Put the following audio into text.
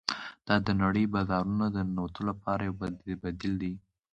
دا د نړیوالو بازارونو د ننوتلو لپاره یو بدیل دی